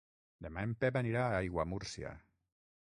Demà en Pep anirà a Aiguamúrcia.